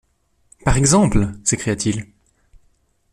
Par exemple! s’écria-t-il.